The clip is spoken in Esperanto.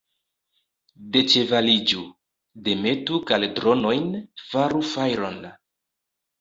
Deĉevaliĝu, demetu kaldronojn, faru fajron!